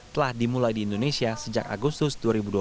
telah dimulai di indonesia sejak agustus dua ribu dua puluh